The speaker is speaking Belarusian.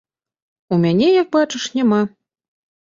У мяне, як бачыш, няма.